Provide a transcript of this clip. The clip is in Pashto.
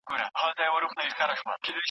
ښه دوست مرسته کوي